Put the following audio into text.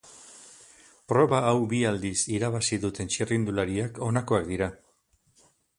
Proba hau bi aldiz irabazi duten txirrindulariak honakoak dira.